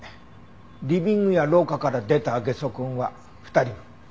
リビングや廊下から出たゲソ痕は２人分。